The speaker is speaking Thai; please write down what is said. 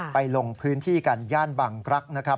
ลงพื้นที่กันย่านบังกรักษ์นะครับ